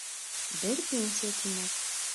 Бер пенсия, тимәк.